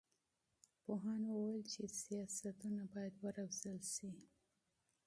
پوهانو وویل چې سیاستونه باید وارزول سي.